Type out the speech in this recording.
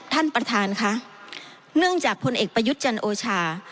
ท่านประธานค่ะเนื่องจากพลเอกประยุทธ์จันโอชา